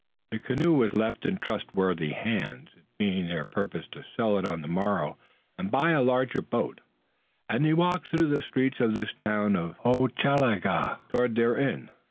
The canoe was left in trustworthy hands, it being their purpose to sell it on the morrow and buy a larger boat, and they walked through the streets of this town of Hochelaga toward their inn.